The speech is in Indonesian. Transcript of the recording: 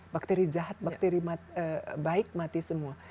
bakteri jahat bakteri baik mati semua